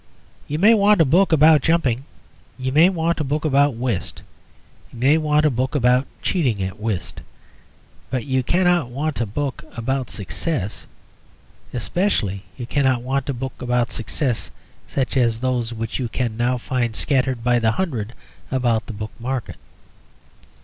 You may want a book about jumping; you may want a book about whist; you may want a book about cheating at whist. But you cannot want a book about Success. Especially you cannot want a book about Success such as those which you can now find scattered by the hundred about the book market.